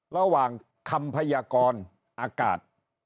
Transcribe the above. ระหว่างคำพยากรอากาศ